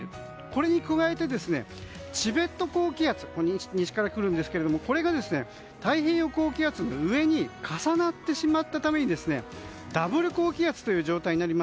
これに加えて、チベット高気圧西から来るんですけども太平洋高気圧の上に重なってしまったためにダブル高気圧という状態になり